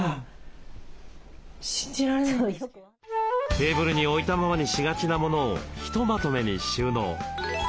テーブルに置いたままにしがちなモノをひとまとめに収納。